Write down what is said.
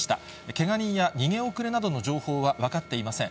けが人や逃げ遅れなどの情報は分かっていません。